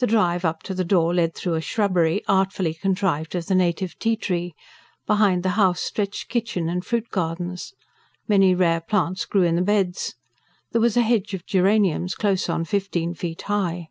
The drive up to the door led through a shrubbery, artfully contrived of the native ti tree; behind the house stretched kitchen and fruit gardens. Many rare plants grew in the beds. There was a hedge of geraniums close on fifteen feet high.